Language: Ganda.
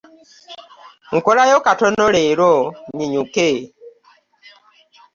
Nkolayo katono leero nnyinyuke.